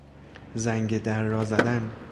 زنگ در را زدن